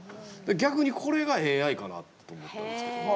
逆にこれがＡＩかなって思ったんですけど。